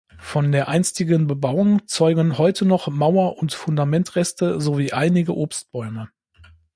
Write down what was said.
Von der einstigen Bebauung zeugen heute noch Mauer- und Fundamentreste sowie einige Obstbäume.